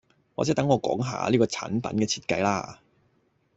或者等我講吓呢個產品嘅設計吖